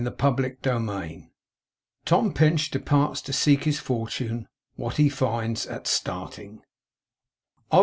CHAPTER THIRTY SIX TOM PINCH DEPARTS TO SEEK HIS FORTUNE. WHAT HE FINDS AT STARTING Oh!